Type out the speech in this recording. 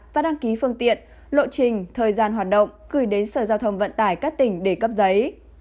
và đăng ký phương tiện lộ trình thời gian hoạt động gửi đến sở giao thông vận tải các tỉnh để cấp giấy